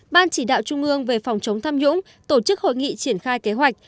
ban chỉ đạo trung ương về phòng chống tham nhũng tổ chức hội nghị triển khai kế hoạch